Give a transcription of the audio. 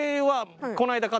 はい。